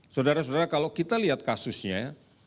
saudara saudara kalau kita lihat kasusnya